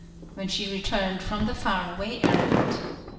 when she returned from the far away errand.